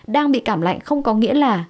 đang bị cảm lạnh không có nghĩa là